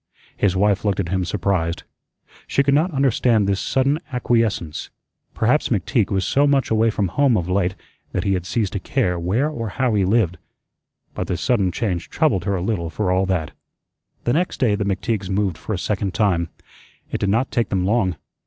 His wife looked at him surprised. She could not understand this sudden acquiescence. Perhaps McTeague was so much away from home of late that he had ceased to care where or how he lived. But this sudden change troubled her a little for all that. The next day the McTeagues moved for a second time. It did not take them long.